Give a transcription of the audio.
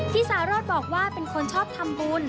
พี่สารดบอกว่าเป็นคนชอบทำบุญ